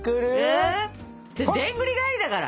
それでんぐり返りだから。